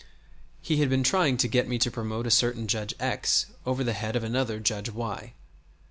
He had been trying to get me to promote a certain Judge X over the head of another Judge Y.